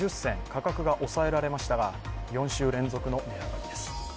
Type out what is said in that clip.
価格が抑えられましたが４週連続の値上がりです。